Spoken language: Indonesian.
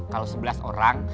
kalau sebelas orang